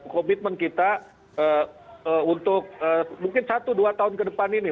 komitmen kita untuk mungkin satu dua tahun ke depan ini